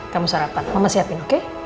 kamu sarapan mama siapin oke